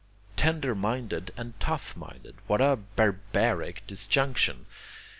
Tender minded and tough minded, what a barbaric disjunction!